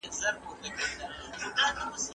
سم به پـه لـــو تــبــــه پــرېــوځـــمـــــــــه زه